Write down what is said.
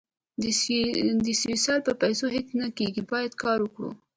د سوسیال په پېسو هیڅ نه کېږي باید کار وکړو